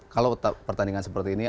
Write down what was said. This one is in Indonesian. kalau pertandingan seperti ini